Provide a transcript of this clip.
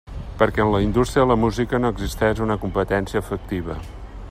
Perquè en la indústria de la música no existeix una competència efectiva.